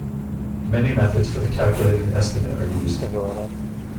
Many methods for the calculated-estimate are used.